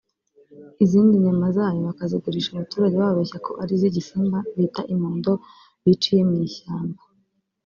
izindi nyama za yo bakazigurisha abaturage bababeshya ko ari iz’igisimba bita imondo biciye mu ishyamba